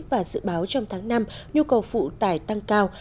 và dự báo trong tháng năm nhu cầu phụ tải tăng cao